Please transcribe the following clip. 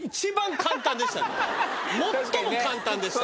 最も簡単でした。